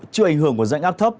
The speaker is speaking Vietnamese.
chưa ảnh hưởng của rãnh áp thấp